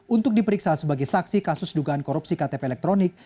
untuk diperiksa sebagai saksi kasus dugaan korupsi ktp elektronik